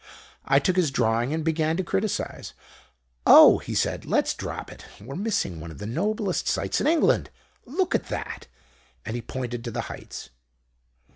"I took his drawing and began to criticise. 'Oh!' he said, 'let's drop it. We're missing one of the noblest sights in England. Look at that!' And he pointed to the heights.